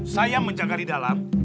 saya menjaga di dalam